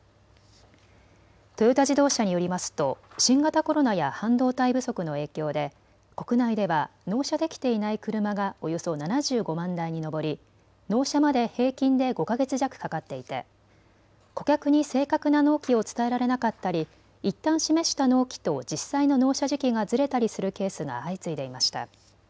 トヨタ自動車によりますと新型コロナや半導体不足の影響で国内では納車できていない車がおよそ７５万台に上り、納車まで平均で５か月弱かかっていて顧客に正確な納期を伝えられなかったり、いったん示した納期と実際の納車時期がずれたりするケースが相次いでいました。